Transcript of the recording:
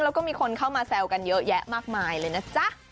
แล้วก็มีคนเข้ามาแซวกันเยอะแยะมากมายเลยนะจ๊ะ